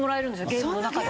ゲームの中で。